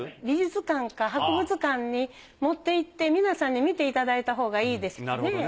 美術館か博物館に持っていって皆さんに見ていただいたほうがいいでしょうね。